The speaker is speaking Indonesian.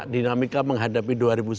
dinamika menghadapi dua ribu sembilan belas